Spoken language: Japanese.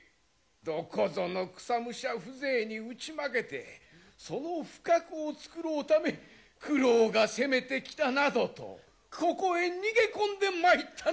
どこぞの草武者風情に打ち負けてその不覚を繕うため九郎が攻めてきたなどとここへ逃げ込んでまいったのではないのか！？